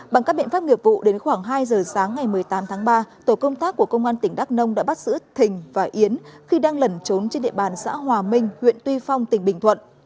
bằng các biện pháp nghiệp vụ đến khoảng hai giờ sáng ngày một mươi tám tháng ba tổ công tác của công an tỉnh đắk nông đã bắt giữ thình và yến khi đang lẩn trốn trên địa bàn xã hòa minh huyện tuy phong tỉnh bình thuận